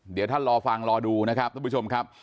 เดี๋ยวท่านรอฟังรอดูนะครับท่านผู้ชมครับ